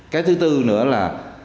cái thứ tư nữa là